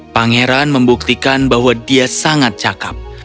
pangeran membuktikan bahwa dia sangat cakep